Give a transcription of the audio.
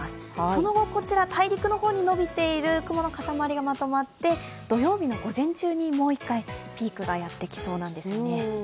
その後、こちら大陸の方に延びている雲の塊がまとまって土曜日の午前中にもう１回ピークがやってきそうなんですよね。